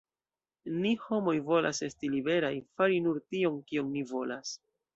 Ni homoj volas esti liberaj: fari nur tion, kion ni volas.